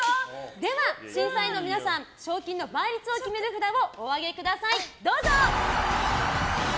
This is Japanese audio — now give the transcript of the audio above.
では、審査員の皆さん賞金の倍率を決める札をお上げください、どうぞ！